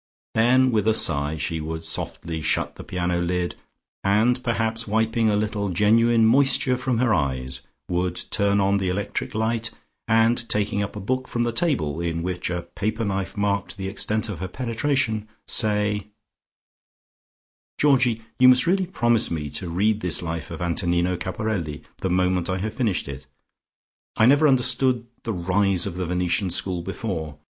Then with a sigh she would softly shut the piano lid, and perhaps wiping a little genuine moisture from her eyes, would turn on the electric light and taking up a book from the table, in which a paper knife marked the extent of her penetration, say: "Georgie, you must really promise me to read this life of Antonino Caporelli the moment I have finished it. I never understood the rise of the Venetian School before.